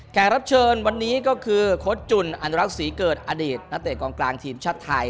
รับเชิญวันนี้ก็คือโค้ดจุ่นอนุรักษ์ศรีเกิดอดีตนักเตะกองกลางทีมชาติไทย